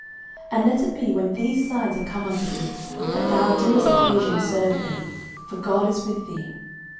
09:010:007 And let it be, when these signs are come unto thee, that thou do as occasion serve thee; for God is with thee.